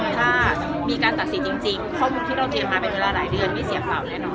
ถ้ามีการตัดสินจริงข้อมูลที่เราเตรียมมาเป็นเวลาหลายเดือนไม่เสียเปล่าแน่นอน